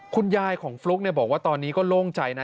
คุณยายของฟลุ๊กบอกว่าตอนนี้ก็โล่งใจนะ